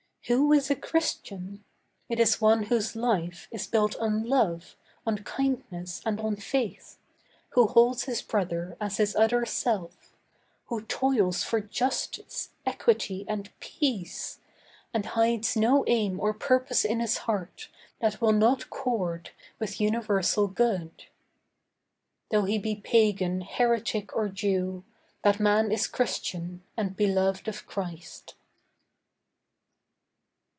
Who is a Christian? It is one whose life Is built on love, on kindness and on faith; Who holds his brother as his other self; Who toils for justice, equity and PEACE, And hides no aim or purpose in his heart That will not chord with universal good. Though he be pagan, heretic or Jew, That man is Christian and beloved of Christ.